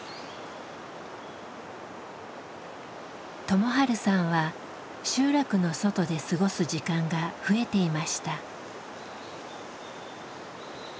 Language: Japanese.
友治さんは集落の外で過ごす時間が増えていました。